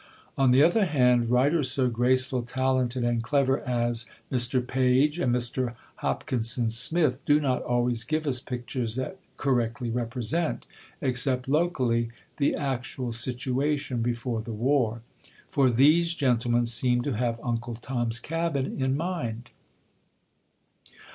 On the other hand, writers so graceful, talented, and clever as Mr. Page and Mr. Hopkinson Smith do not always give us pictures that correctly represent, except locally, the actual situation before the war; for these gentlemen seem to have Uncle Tom's Cabin in mind.